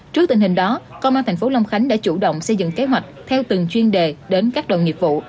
trước tình hình đó công an thành phố long khánh đã chủ động xây dựng kế hoạch theo từng chuyên đề đến các đoàn nghiệp vụ